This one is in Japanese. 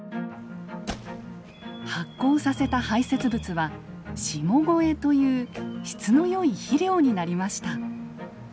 発酵させた排せつ物は「下肥」という質の良い肥料になりました。